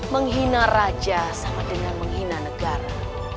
menghina raja sama dengan menghina negara